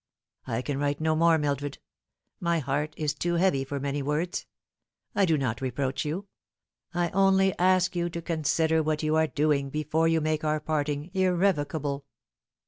" I can write no more, Mildred. My heart is too heavy for many words. I do not reproach you. I only ask you to con sider what you are doing before you make our parting irre vocable.